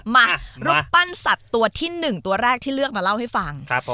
มารูปปั้นสัตว์ตัวที่๑ตัวแรกที่เลือกมาเล่าให้ฟัง